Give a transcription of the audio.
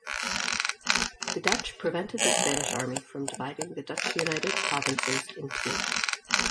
The Dutch prevented the Spanish army from dividing the Dutch United Provinces in two.